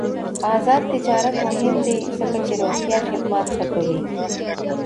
آزاد تجارت مهم دی ځکه چې روغتیا خدمات ښه کوي.